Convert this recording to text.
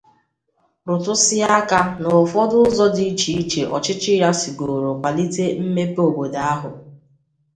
rụtụsịa aka n'ụfọdụ ụzọ dị icheiche ọchịchị ya sigoro kwàlite mmepe obodo ahụ